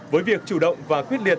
với việc chủ động và quyết liệt